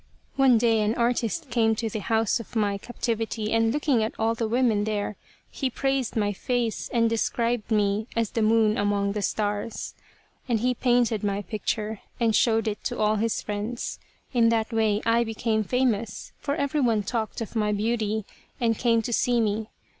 One day an artist came to the house of my captivity and looking at all the women there, he praised my face and described me as the Moon among the Stars. And he painted my picture and showed it to all his friends. In that way I became famous, for everyone talked of my beauty and came to see me.